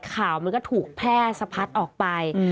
ข่าวมันก็ถูกแพร่สะพัดออกไป